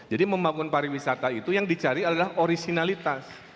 jadi membangun pariwisata itu yang dicari adalah orisinalitas